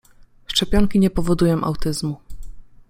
Szczepionki nie powodują autyzmu.